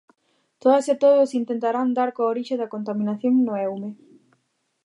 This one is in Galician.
Todas e todos intentarán dar coa orixe da contaminación no Eume.